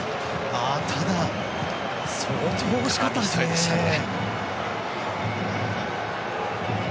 ただ、相当惜しかったですね。